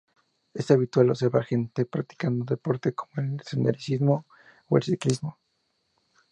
Es habitual observar gente practicando deportes como el senderismo o el ciclismo.